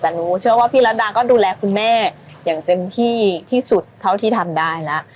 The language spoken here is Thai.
แต่หนูเชื่อว่าพี่รัดดาก็ดูแลคุณแม่อย่างเต็มที่ที่สุดเท่าที่ทำได้แล้ว